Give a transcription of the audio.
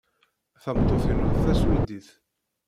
Tameṭṭut-inu d taswidit.